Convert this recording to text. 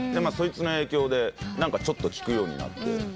そいつの影響でちょっと聴くようになって。